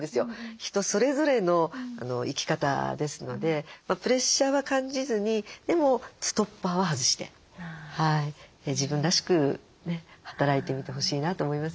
人それぞれの生き方ですのでプレッシャーは感じずにでもストッパーは外して自分らしく働いてみてほしいなと思いますよね。